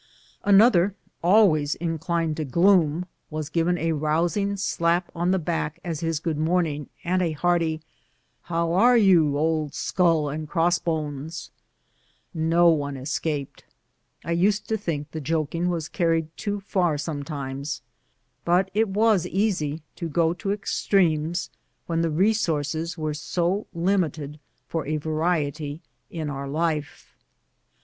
Another, always inclined to gloom, was given a rousing slap on the back as his good morning, and a hearty " How are you, Old Skull and Cross bones 1" No one escaped. I used to think the joking was carried too far sometimes, but it 224 BOOTS AND SADDLES. was easy to go to extremes when the resources were so limited for a variety in our life.